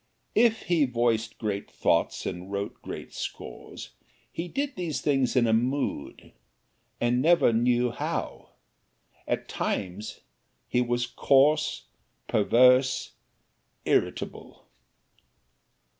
If he voiced great thoughts and wrote great scores, he did these things in a mood and never knew how. At times he was coarse, perverse, irritable.